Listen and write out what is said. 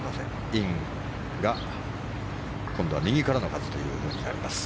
インが今度は右からの風ということになります。